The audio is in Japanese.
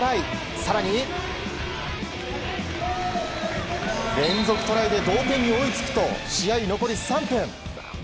更に、連続トライで同点に追いつくと試合残り３分。